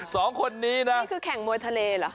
สองคนนี้นะนี่คือแข่งมวยทะเลเหรอ